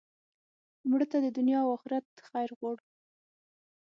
مړه ته د دنیا او آخرت خیر غواړو